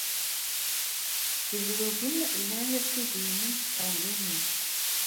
Izrugen llan ttuzeyynen s tɛellamin.